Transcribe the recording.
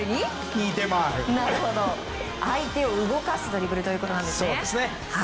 相手を動かすドリブルということですね。